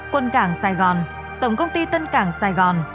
quân cảng sài gòn tổng công ty tân cảng sài gòn